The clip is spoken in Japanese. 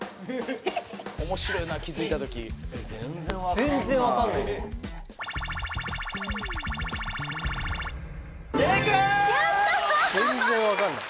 面白いな気づいた時全然分かんないやった！